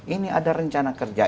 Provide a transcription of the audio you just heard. ini ada rencana kerja